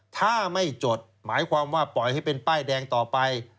ถ้าไม่จดหมายความว่าปล่อยให้เป็นป้ายแดงต่อไป